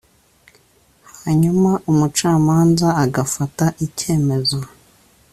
hanyuma umucamanza agafata icyemezo